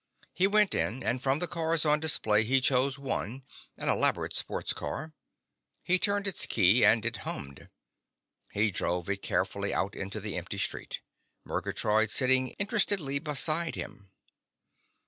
He went in and from the cars on display he chose one, an elaborate sports car. He turned its key and it hummed. He drove it carefully out into the empty street, Murgatroyd sitting interestedly beside him.